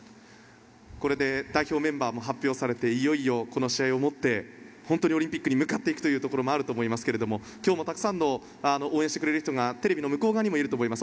これで代表メンバーも発表されていよいよこの試合をもって本当にオリンピックに向かっていくというところもあると思いますけれども今日もたくさんの応援してくれる人がテレビの向こう側にいると思います。